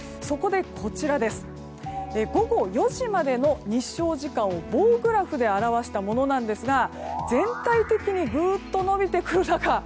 こちら午後４時までの日照時間を棒グラフで表したものですが全体的に、ぐっと伸びてくる中